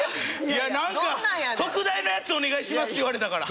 いやなんか「特大のやつお願いします」って言われたから。